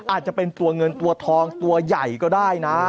อาจจะเป็นตัวเงินตัวทองตัวใหญ่ก็ได้นะ